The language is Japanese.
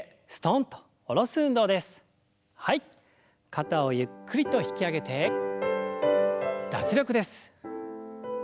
肩をゆっくりと引き上げて脱力です。